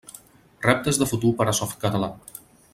Reptes de futur per a Softcatalà.